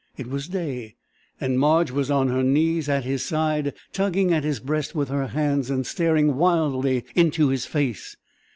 It was day, and Marge was on her knees at his side, tugging at his breast with her hands and staring wildly into his face.